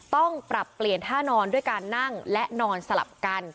ต้องปรับเปลี่ยนท่านอนด้วยการนั่งและนอนสลับกัน